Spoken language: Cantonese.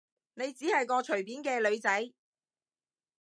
你只係個隨便嘅女仔